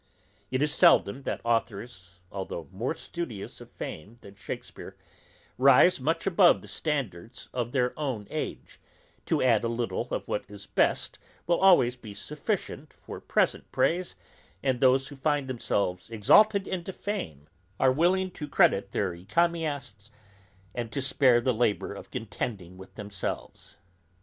It is seldom that authours, though more studious of fame than Shakespeare, rise much above the standard of their own age; to add a little of what is best will always be sufficient for present praise, and those who find themselves exalted into fame, are willing to credit their encomiasts, and to spare the labour of contending with themselves.